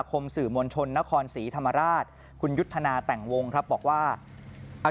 พี่ก็ไม่ชอบนะพี่ไม่ชอบนะน้องก็ขับ